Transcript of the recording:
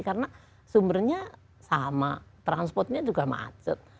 karena sumbernya sama transportnya juga macet